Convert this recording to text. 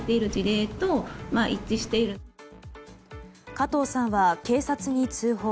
加藤さんは警察に通報。